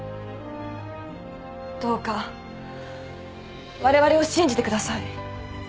どうかわれわれを信じてください。